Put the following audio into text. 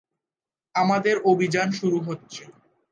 আমাদের অভিযান শুরু হচ্ছে!